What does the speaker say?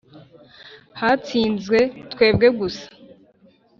hatsinze twebwe gusa pe